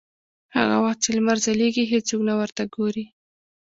هغه وخت چې لمر ځلېږي هېڅوک نه ورته ګوري.